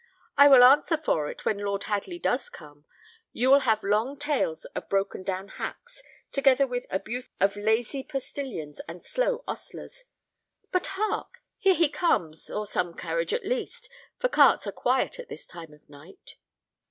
I will answer for it, when Lord Hadley does come, you will have long tales of broken down hacks, together with abuse of lazy postillions and slow ostlers. But hark! here he comes, or some carriage, at least, for carts are quiet at this time of night."